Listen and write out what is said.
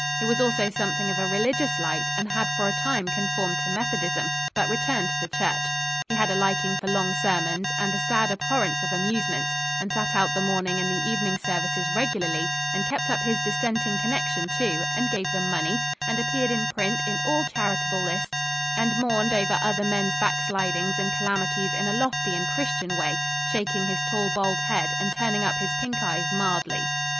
He was also something of a religious light, and had for a time conformed to Methodism, but returned to the Church. He had a liking for long sermons, and a sad abhorrence of amusements, and sat out the morning and the evening services regularly and kept up his dissenting connection too, and gave them money and appeared in print, in all charitable lists and mourned over other men's backslidings and calamities in a lofty and Christian way, shaking his tall bald head, and turning up his pink eyes mildly.